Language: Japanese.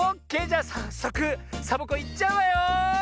じゃさっそくサボ子いっちゃうわよ！